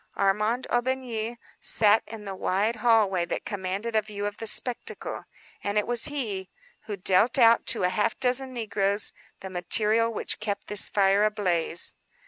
Armand Aubigny sat in the wide hallway that commanded a view of the spectacle; and it was he who dealt out to a half dozen negroes the material which kept this fire ablaze.